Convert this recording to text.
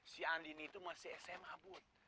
si andi ini itu masih sma bud